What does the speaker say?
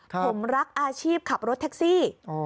ผมรักอาชีพขับรถแท็กซี่